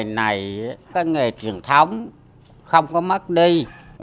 ngôi nhà trong mơ này